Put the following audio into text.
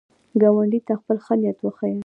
ګاونډي ته خپل ښه نیت وښیه